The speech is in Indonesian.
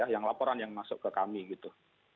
yang laporan yang masuk ke kami gitu